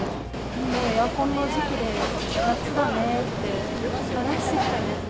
もうエアコンの時期で、夏だねーって話してたんです。